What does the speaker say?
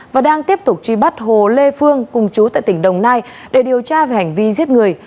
và đang tiếp tục truy bắt hồ lê phương cùng chú tại tỉnh đồng nai để điều tra về hành vi giết người